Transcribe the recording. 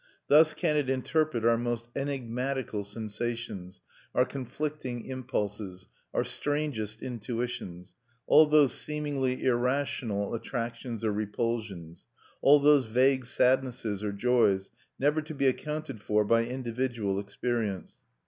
Thus can it interpret our most enigmatical sensations, our conflicting impulses, our strangest intuitions; all those seemingly irrational attractions or repulsions, all those vague sadnesses or joys, never to be accounted for by individual experience.